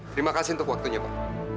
terima kasih untuk waktunya pak